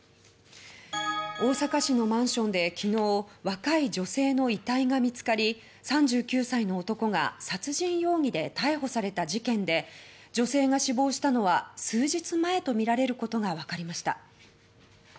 大阪市のマンションで昨日、若い女性の遺体が見つかり３９歳の男が殺人容疑で逮捕された事件で女性が死亡したのは数日前とみられることがわかりました。